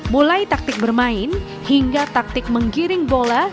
mulai taktik bermain hingga taktik menggiring bola